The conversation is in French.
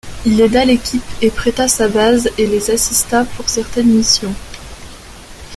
Il aida l'équipe et prêta sa base, et les assista pour certaines missions.